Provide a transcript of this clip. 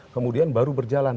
kemudian baru berjalan